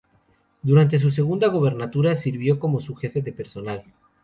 Durante su segunda gubernatura sirvió como su jefe de personal.